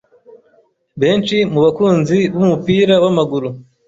Benshi mu bakunzi b'umupira w'amaguru